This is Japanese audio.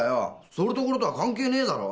それとこれとは関係ねえだろ！